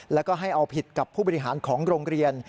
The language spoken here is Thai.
แล้วก็ให้เอาผิดกับผู้บริหารของโรงเรียน